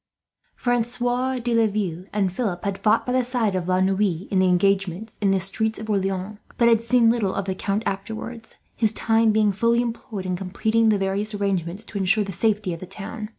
Francois de Laville and Philip had fought by the side of La Noue, in the engagement in the streets of Orleans; but had seen little of the Count afterwards, his time being fully employed in completing the various arrangements to ensure the safety of the town.